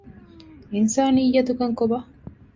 އިންސާނިއްޔަތުކަން ކޮބާ؟